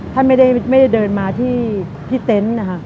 ท่านไม่ได้เดินมาที่พิเต็นต์